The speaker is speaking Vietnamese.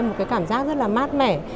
một cái cảm giác rất là mát mẻ